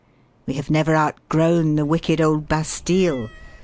We have never outgrown the wicked old Bastille.